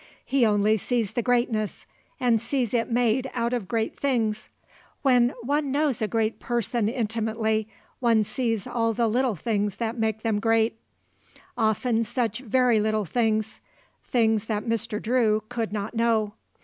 He only sees the greatness and sees it made out of great things. When one knows a great person intimately one sees all the little things that make them great; often such very little things; things that Mr. Drew could not know.